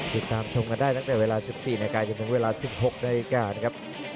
ชมกันได้ตั้งแต่เวลา๑๔นาทีจนถึงเวลา๑๖นาฬิกานะครับ